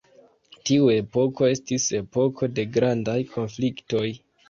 Tiu epoko estis epoko de grandaj konfliktoj.